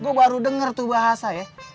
gue baru dengar tuh bahasa ya